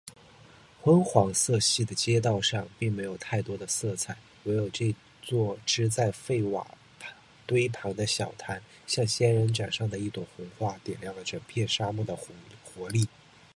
昏黄色系的街道上，并没有太多的色彩，唯有这座支在废瓦堆旁的小摊，像仙人掌上的一朵红花，点亮了整片沙漠的活力。